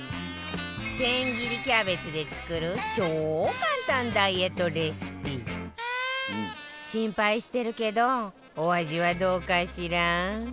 千切りキャベツで作る超簡単ダイエットレシピ心配してるけどお味はどうかしら？